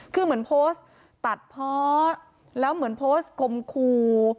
คือเหมือนโพสต์ตัดเพาะแล้วเหมือนโพสต์คมคู